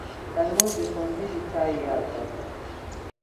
ترموز د ښوونځي د چایو یاد دی.